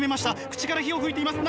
口から火を噴いています。